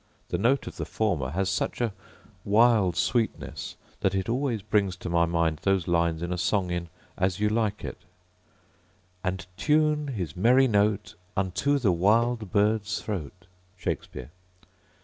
The note of the former has such a wild sweetness that it always brings to my mind those lines in a song in As You Like It, And tune his merry note Unto the wild bird's throat.—Shakespeare.